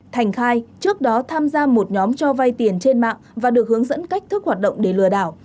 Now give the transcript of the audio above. thành khai trước đó tham gia một nhóm cho vay tiền trên mạng và được hướng dẫn cách thức hoạt động để lừa đảo